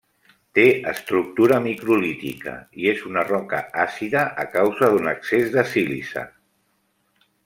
Té estructura microlítica, i és una roca àcida a causa d'un excés de sílice.